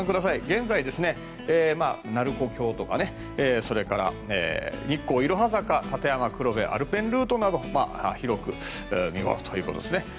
現在、鳴子峡とかそれから日光・いろは坂立山黒部アルペンルートなど広く見頃ということですね。